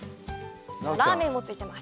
ラーメンもついてます。